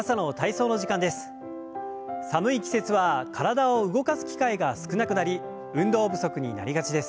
寒い季節は体を動かす機会が少なくなり運動不足になりがちです。